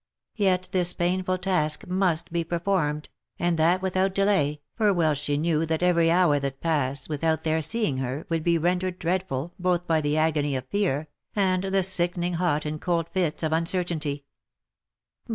Yet this painful task must be performed, and that with out delay, for well she knew that every hour that passed without their seeing her, would be rendered dreadful, both by the agony of fear, and the sickening hot and cold fits of uncertainty.